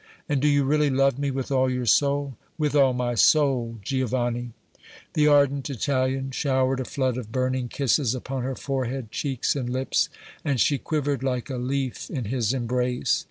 "And do you really love me with all your soul?" "With all my soul, Giovanni!" The ardent Italian showered a flood of burning kisses upon her forehead, cheeks and lips, and she quivered like a leaf in his embrace.